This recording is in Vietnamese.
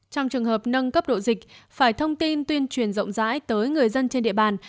trong trường hợp nâng cấp độ dịch phải thông tin tuyên truyền rộng rãi tới người dân trên địa bàn